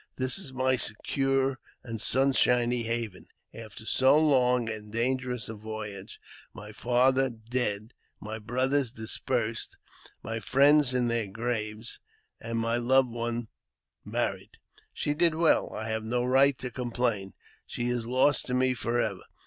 This is my secure and sunshiny haven, after so long and dangerous a voyage ! My father dead, my brothers dispersed, my friends in their graves, and my loved JAMES P. BECKWOUBTH. 317 one married ! She did well — I have no right to complain — she is lost to me for ever